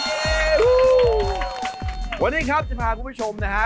วันนี้ครับจะพาคุณผู้ชมนะฮะ